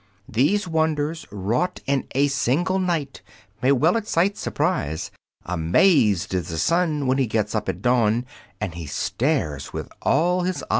These wonders wrought in a single night May well excite surprise; Amazed is the sun when he gets up at dawn, And he stares with all his eyes.